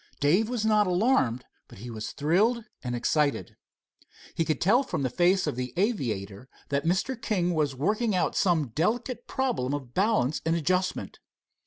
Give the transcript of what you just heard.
Dave was not alarmed, but he was thrilled and excited. He could tell from the face of the aviator that Mr. King was working out some delicate problem of balance and adjustment.